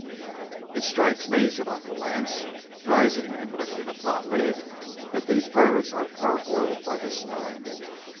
"It strikes me," said Uncle Lance, rising and lifting a pot lid, "that these birds are parboiled by this time.